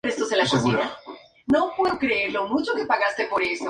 Durante estos años destacan las dos etapas conseguidas al Giro de Italia.